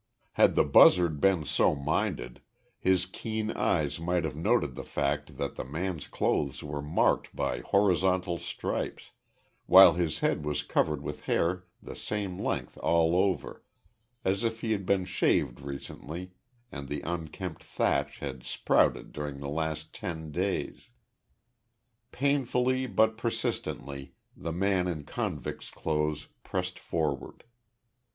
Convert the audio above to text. Had the buzzard been so minded, his keen eyes might have noted the fact that the man's clothes were marked by horizontal stripes, while his head was covered with hair the same length all over, as if he had been shaved recently and the unkempt thatch had sprouted during the last ten days. Painfully but persistently the man in convict's clothes pressed forward.